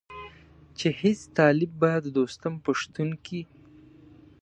چې هېڅ طالب به د دوستم په شتون کې.